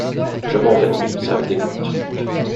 Je m’en vais, ça me dégoûte.